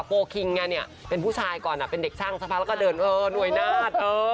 ลคิงไงเนี่ยเป็นผู้ชายก่อนเป็นเด็กช่างสักพักแล้วก็เดินเออหน่วยนาฏ